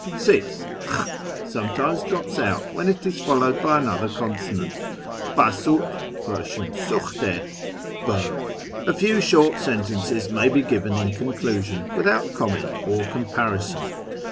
(6) A7i sometimes drops outwlun il is fnllowcd by another consonant ; e.g. hd mt, (Pers. sftkhte, burnt.)^ A few short sentences may be given in conclusion, without comment or comparison.